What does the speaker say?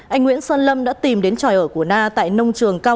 anh nguyễn sơn lâm đã tìm đến tròi ở của na